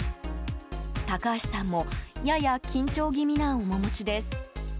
高橋さんもやや緊張気味な面持ちです。